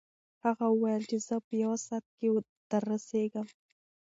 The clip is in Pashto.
هغه وویل چې زه په یو ساعت کې دررسېږم.